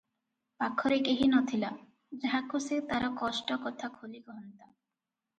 ପାଖରେ କେହି ନଥିଲା- ଯାହାକୁ ସେ ତାର କଷ୍ଟ କଥା ଖୋଲି କହନ୍ତା ।